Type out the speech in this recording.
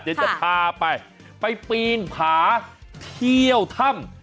เดี๋ยวจะพาไปไปปีนผาเที่ยวถ้ำ